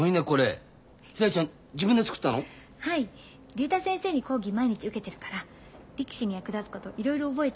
竜太先生に講義毎日受けてるから力士に役立つこといろいろ覚えちゃって。